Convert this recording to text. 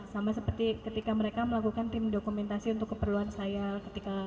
sama seperti ketika mereka melakukan tim dokumentasi untuk keperluan saya ketika